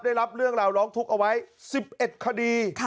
ได้รับเรื่องราวร้องทุกข์เอาไว้๑๑คดี